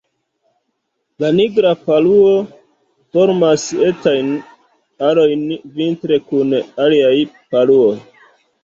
La Nigra paruo formas etajn arojn vintre kun aliaj paruoj.